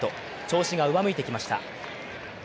調子が上向いてきました。